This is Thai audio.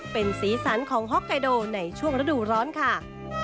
เป็นสีสันของฮอกไกโดในช่วงฤดูร้อนค่ะ